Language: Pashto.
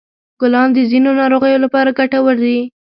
ګلان د ځینو ناروغیو لپاره ګټور دي.